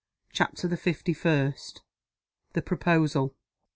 CHAPTER THE FIFTY FIRST. THE PROPOSAL.